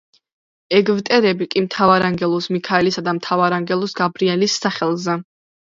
ეგვტერები კი მთავარანგელოზ მიქაელისა და მთავარანგელოზ გაბრიელის სახელზე.